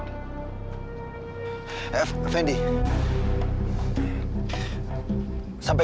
aku mau kemana